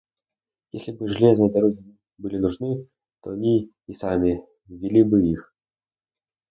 Если бы железные дороги были нужны, то они и сами ввели бы их.